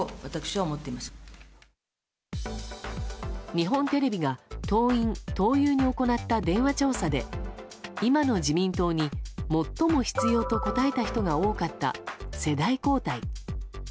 日本テレビが党員・党友に行った電話調査で、今の自民党に最も必要と答えた人が多かった世代交代。